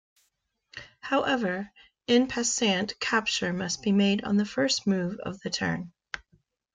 However, "en passant" capture must be made on the first move of the turn.